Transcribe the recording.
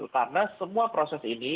karena semua proses ini